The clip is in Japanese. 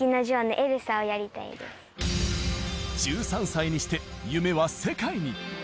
１３歳にして夢は世界に！